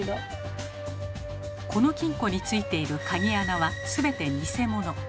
この金庫についている鍵穴は全てニセモノ。